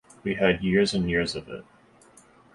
We had years and years of it.